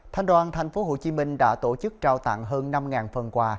thành đoàn thành phố hồ chí minh đã tổ chức trao tặng hơn năm phần quà